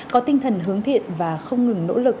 có tinh thần hướng thiện và không ngừng nỗ lực